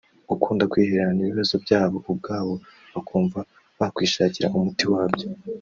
Gukunda kwihererana ibibazo byabo ubwabo bakumva bakwishakira umuti wabyo